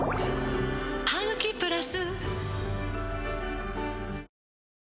「ハグキプラス」